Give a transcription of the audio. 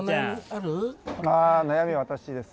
あ悩み私です。